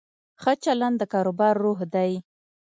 ښه چلند د کاروبار روح دی.